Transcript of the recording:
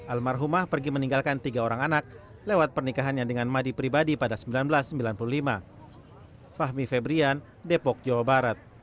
almarhumah pergi meninggalkan tiga orang anak lewat pernikahannya dengan madi pribadi pada seribu sembilan ratus sembilan puluh lima